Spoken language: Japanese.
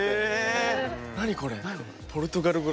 え⁉何これ？